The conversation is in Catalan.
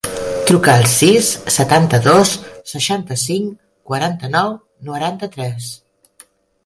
Truca al sis, setanta-dos, seixanta-cinc, quaranta-nou, noranta-tres.